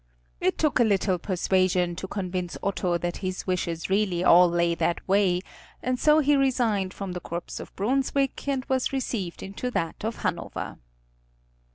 It took little persuasion to convince Otto that his wishes really all lay that way, and so he resigned from the corps of Brunswick and was received into that of Hanover.